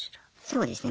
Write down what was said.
そうですね。